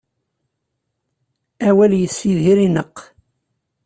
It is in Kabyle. Awal yessidir ineqq.